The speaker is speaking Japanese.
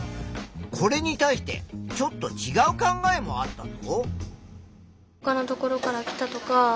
これに対してちょっとちがう考えもあったぞ。